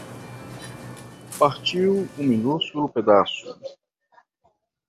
Partiu um minúsculo pedaço